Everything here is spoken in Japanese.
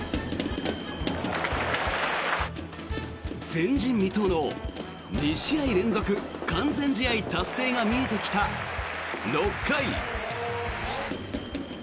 前人未到の２試合連続完全試合達成が見えてきた６回。